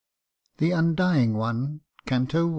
"THE UNDYING ONE.' CANTO I.